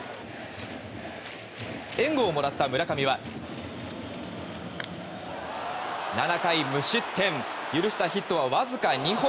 援護をもらった村上は７回無失点許したヒットはわずか２本。